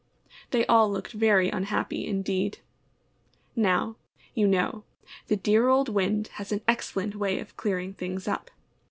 They all looked very unhappy indeed. Now, you know, the dear old Wind has an excellent way of clearing things up.